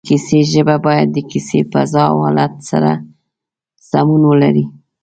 د کیسې ژبه باید د کیسې فضا او حالت سره سمون ولري